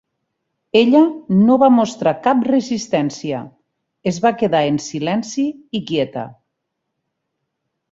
Ella no va mostrar cap resistència; es va quedar en silenci i quieta.